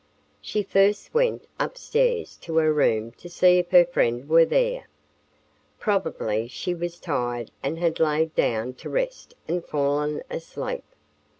She first went upstairs to her room to see if her friend were there. Probably she was tired and had lain down to rest and fallen asleep.